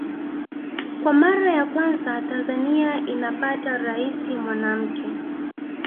Kwa mara ya kwanza Tanzania inapata Rais mwanamke